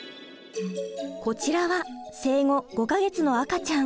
こちらは生後５か月の赤ちゃん。